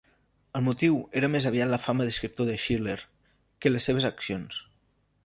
El motiu era més aviat la fama d'escriptor de Schiller que les seves accions.